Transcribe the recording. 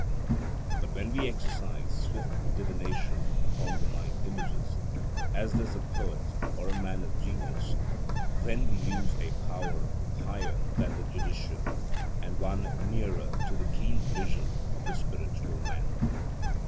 But when we exercise swift divination upon the mind images, as does a poet or a man of genius, then we use a power higher than the judicial, and one nearer to the keen vision of the spiritual man.